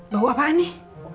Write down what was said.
bau apaan nih